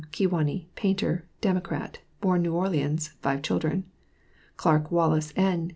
Kewanee; painter; Dem; born New Orleans; five children. CLARK WALLACE N.